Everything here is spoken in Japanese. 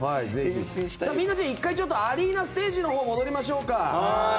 みんな１回アリーナステージに戻りましょうか。